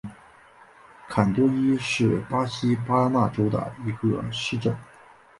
坎多伊是巴西巴拉那州的一个市镇。